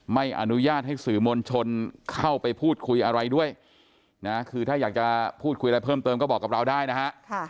ไม่อนุญาตให้สื่อมวลชนเข้าไปพูดคุยอะไรด้วยนะคือถ้าอยากจะพูดคุยอะไรเพิ่มเติมก็บอกกับเราได้นะฮะ